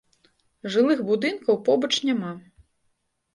Жылых будынкаў побач няма.